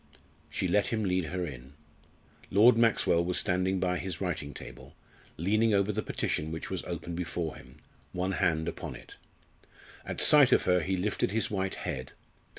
She let him lead her in. Lord Maxwell was standing by his writing table, leaning over the petition which was open before him one hand upon it. At sight of her he lifted his white head.